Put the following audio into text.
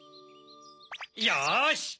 よし！